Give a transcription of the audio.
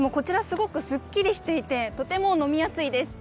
すごくすっきりしていてとても飲みやすいです。